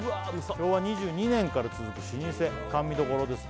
昭和２２年から続く老舗甘味処です